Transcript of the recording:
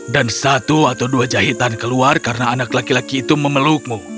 dan satu atau dua jahitan keluar karena anak laki laki itu memelukmu